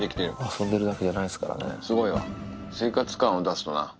遊んでるだけじゃないですかすごいわ、生活感を出すとな。